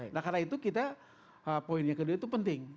nah karena itu kita poin yang kedua itu penting